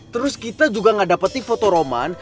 terus kita juga gak dapetin foto roman